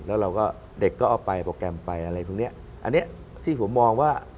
แล้วเด็กก็เอาไปโปรแกรมไปอันที่ผมมองว่า